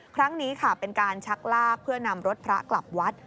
ครั้งนี้ค่ะเป็นการชักลากเพื่อนำรถพระกลับวัด